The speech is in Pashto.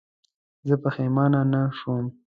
زه پښېمانه نه شوم.